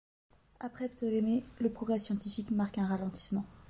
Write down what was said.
Après Ptolémée, le progrès scientifique marque un ralentissement.